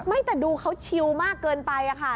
ไม่แต่ดูเขาชิวมากเกินไปค่ะ